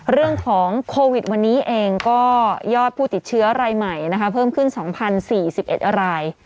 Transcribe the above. เรื่องของโควิดวันนี้เองก็ยอดผู้ติดเชื้อรายใหม่นะคะเพิ่มขึ้น๒๐๔๑ราย